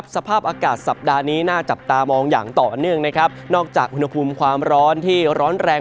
สภาพอากาศสัปดาห์นี้น่าจับตามองอย่างต่อเนื่องนะครับนอกจากอุณหภูมิความร้อนที่ร้อนแรง